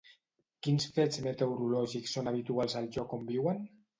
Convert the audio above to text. Quins fets meteorològics són habituals al lloc on viuen?